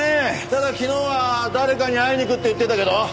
ただ昨日は誰かに会いに行くって言ってたけど。